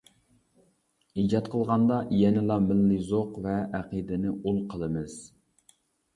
ئىجاد قىلغاندا، يەنىلا مىللىي زوق ۋە ئەقىدىنى ئۇل قىلىمىز.